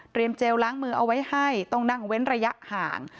เจลล้างมือเอาไว้ให้ต้องนั่งเว้นระยะห่าง